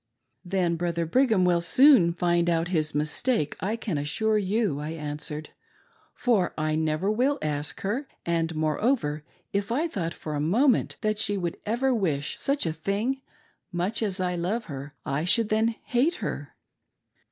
" Then Brother Brigham will soon find out his mistake, I can assure you," I answered, " for I never will ask her ; and, more over, if I thought for a moment that she would ever wish such a thing, much as I love her, I should then hate her."